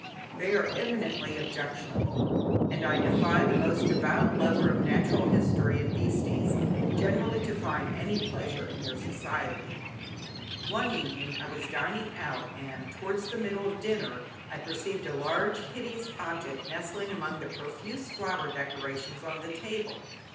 They are eminently objectionable, and I defy the most devout lover of natural history and "beasties" generally, to find any pleasure in their society. One evening I was dining out, and towards the middle of dinner I perceived a large, hideous object nestling among the profuse flower decorations on the table.